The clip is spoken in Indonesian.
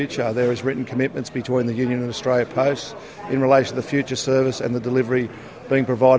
terhadap perusahaan yang akan diberikan oleh pemerintah australia dan pengiriman yang diberikan oleh pemerintah australia